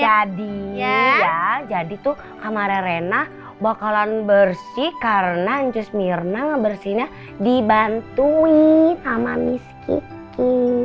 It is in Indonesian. jadi ya jadi tuh kamarnya rena bakalan bersih karena ncus mirna ngebersihinnya dibantuin sama miss kiki